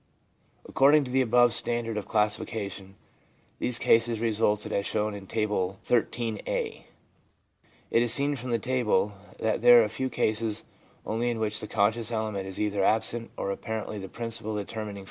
According to the above standard of classification, the cases resulted as shown in Table XII I A. It is seen from the table that there are a few cases only in which the conscious element is either absent or apparently the principal determining factor in the change.